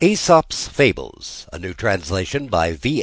ÆSOP'S FABLES A NEW TRANSLATION BY V.